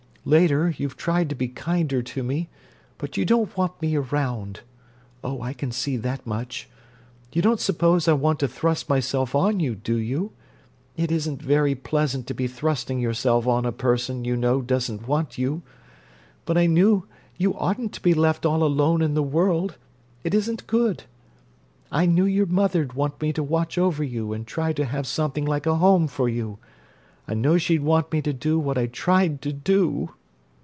Later, you've tried to be kinder to me, but you don't want me around—oh, I can see that much! You don't suppose I want to thrust myself on you, do you? It isn't very pleasant to be thrusting yourself on a person you know doesn't want you—but I knew you oughtn't to be left all alone in the world; it isn't good. I knew your mother'd want me to watch over you and try to have something like a home for you—I know she'd want me to do what I tried to do!"